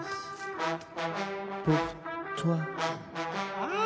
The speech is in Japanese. ああ！